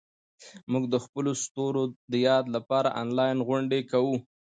موږ د خپلو ستورو د یاد لپاره انلاین غونډې کوو.